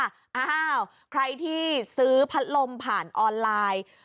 อ้าวใครที่ซื้อพัดลมผ่านออนไลน์